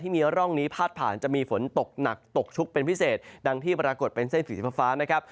มีร่องนี้พาดผ่านจะมีฝนตกหนักตกชุกเป็นพิเศษดังที่ปรากฏเป็นเส้นสีฟ้านะครับ